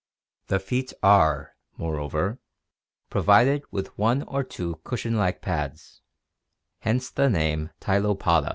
The feet are, moreover, provided with one or two cushion like pads, hence the name Tylopoda (Gr.